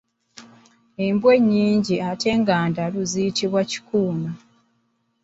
Embwa ennyingi ng'ate ndalu ziyitibwa kikuuno.